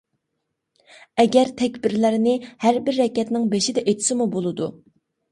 ئەگەر تەكبىرلەرنى ھەر بىر رەكەتنىڭ بېشىدا ئېيتسىمۇ بولىدۇ.